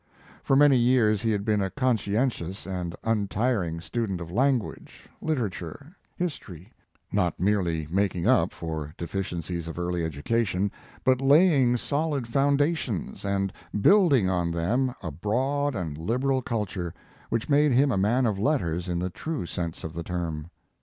For many years he had been a conscientious and untiring student of language, literature, history, not merely making up for deficiencies of early education, but laying solid founda tions and building on them a broad and liberal culture, which made him a man of letters in the true sense of the term.